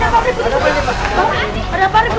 gak tau nih ada apaan di sini